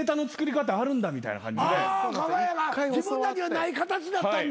あかが屋が自分らにはない形だったんだ。